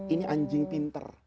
ini anjing pinter